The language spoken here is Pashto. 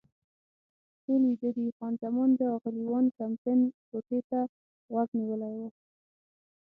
ټول ویده دي، خان زمان د اغلې وان کمپن کوټې ته غوږ نیولی و.